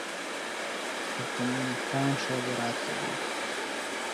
ترکمنستان ښه زراعت لري.